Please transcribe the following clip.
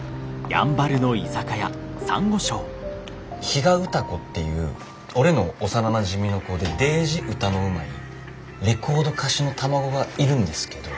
比嘉歌子っていう俺の幼なじみの子でデージ歌のうまいレコード歌手の卵がいるんですけど。